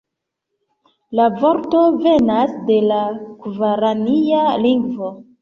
La vorto venas de la gvarania lingvo.